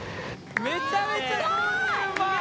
めちゃめちゃ操縦うまい。